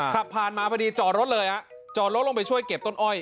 ขับผ่านมาพอดีจอดรถเลยฮะจอดรถลงไปช่วยเก็บต้นอ้อย